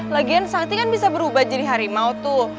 lagian sati kan bisa berubah jadi harimau tuh